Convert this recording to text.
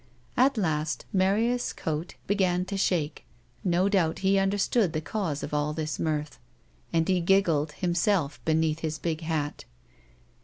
At last ^larius' coat began to shake ; no doubt, he vmderstood the cause of all this mirth, and he giggled, himself, beneath his big hat.